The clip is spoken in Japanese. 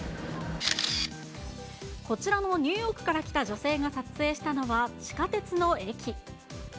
こちらのニューヨークから来た女性が撮影したのは地下鉄の駅。